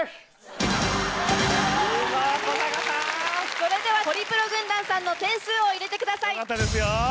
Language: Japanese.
それではホリプロ軍団さんの点数を入れてください。